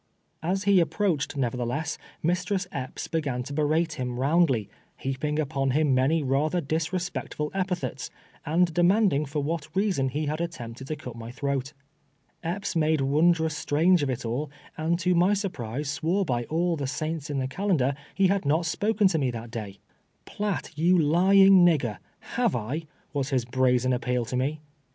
As he approached, nevertheless, Mistress Epps be gan to berate him roundly, heaping upon him many rather disrespectful epithets, and demanding for what reason he had attempted to cut my throat. Epps made wondrous strange of it all, and to my surprise, swore by all the saints in the calendar he had not spoken to me that day. " Piatt, you lying nigger, have I ?" was his brazen aj^peal to me.